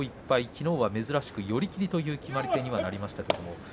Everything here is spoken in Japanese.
きのうは珍しく寄り切りという決まり手でした。